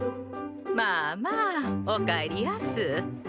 まあまあお帰りやす。